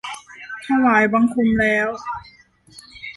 ถวายบังคมแล้ว